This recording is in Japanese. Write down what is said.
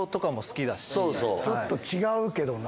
ちょっと違うけどな。